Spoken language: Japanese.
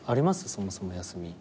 そもそも休み。